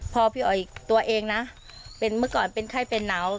พอพี่อ๋อยตัวเองนะเป็นเมื่อก่อนเป็นไข้เป็นหนาว